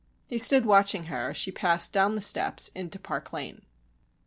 He stood watching her as she passed down the steps into Park Lane.